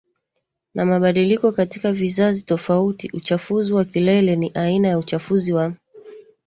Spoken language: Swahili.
na mabadiliko katika vizazi tofautiUchafuzi wa keleleNi aina ya uchafuzi wa